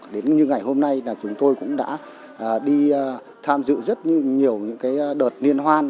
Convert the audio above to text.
đến như ngày hôm nay là chúng tôi cũng đã đi tham dự rất nhiều cái đợt niên hoan là chúng tôi cũng đã đi tham dự rất nhiều cái đợt niên hoan